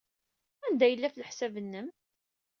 Anda ay yella, ɣef leḥsab-nnem?